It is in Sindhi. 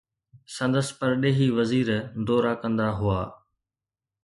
سندس پرڏيهي وزير دورا ڪندا هئا.